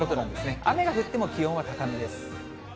雨が降っても気温は高めです。